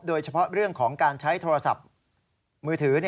โดยเฉพาะเรื่องของการใช้โทรศัพท์มือถือ